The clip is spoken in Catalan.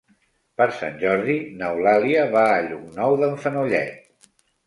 Per Sant Jordi n'Eulàlia va a Llocnou d'en Fenollet.